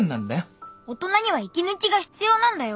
大人には息抜きが必要なんだよ。